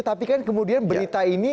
tapi kan kemudian berita ini